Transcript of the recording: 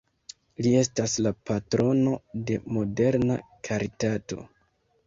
Li estas la patrono de moderna karitato.